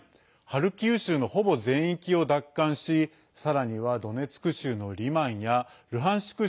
ハルキウ州のほぼ全域を奪還しさらにはドネツク州のリマンやルハンシク